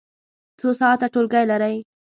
څو ساعته ټولګی لرئ؟